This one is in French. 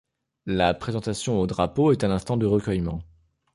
La présentation au Drapeau est un instant de recueillement.